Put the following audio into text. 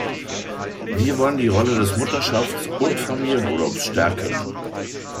Wir wollen die Rolle des Mutterschafts- und Familienurlaubs stärken.